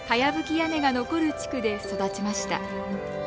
屋根が残る地区で育ちました。